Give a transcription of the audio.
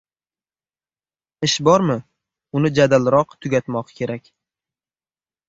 Ish bormi — uni jadalroq tugatmoq kerak.